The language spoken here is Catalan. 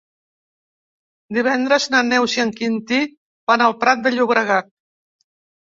Divendres na Neus i en Quintí van al Prat de Llobregat.